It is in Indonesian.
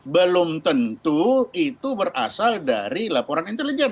belum tentu itu berasal dari laporan intelijen